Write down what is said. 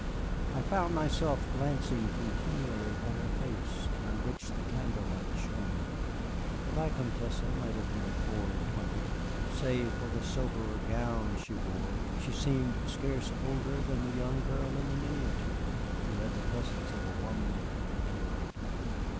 I found myself glancing continually at her face, on which the candle light shone. The Vicomtesse might have been four and twenty. Save for the soberer gown she wore, she seemed scarce older than the young girl in the miniature who had the presence of a woman of the world.